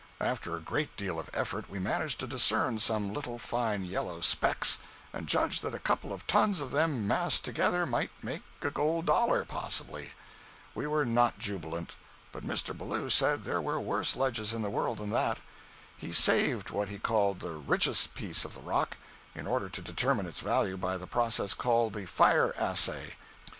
After a great deal of effort we managed to discern some little fine yellow specks, and judged that a couple of tons of them massed together might make a gold dollar, possibly. We were not jubilant, but Mr. Ballou said there were worse ledges in the world than that. He saved what he called the "richest" piece of the rock, in order to determine its value by the process called the "fire assay."